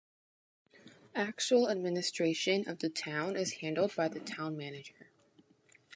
Actual administration of the town is handled by the town manager.